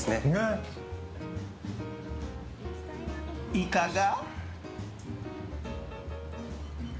いかが？